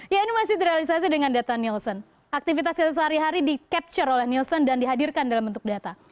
ya ini masih terrealisasi dengan data nielsen aktivitasnya sehari hari di capture oleh nielsen dan dihadirkan dalam bentuk data